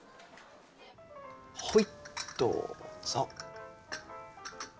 はいどうぞ。